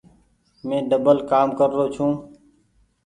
مين ڊبل ڪآم ڪر رو ڇون ۔